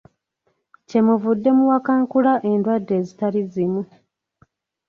Kyemuvudde muwakankula endwadde ezitali zimu.